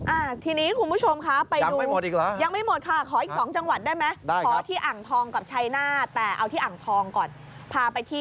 อ่ะทีนี้คุณผู้ชมครับ